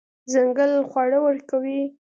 ځنګل خواړه ورکوي.